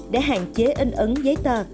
để hạn chế in ấn giấy tờ